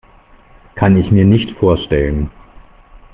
Kann ich mir nicht vorstellen.